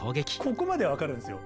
ここまでは分かるんですよ。